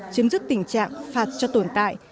chiếm dứt tình trạng phạt cho tồn tại